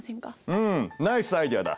うんナイスアイデアだ！